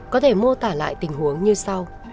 có thể mô tả lại tình huống như sau